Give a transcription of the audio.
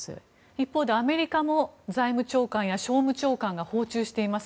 一方で、アメリカも財務長官や商務長官が訪中しています。